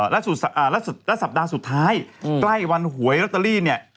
และสัปดาห์สุดท้ายใกล้วันหวยลอตเตอรี่เนี่ย